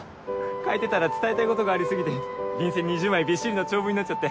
書いてたら伝えたいことがあり過ぎて便箋２０枚びっしりの長文になっちゃって。